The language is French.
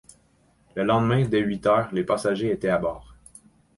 Le lendemain, dès huit heures, les passagers étaient à bord.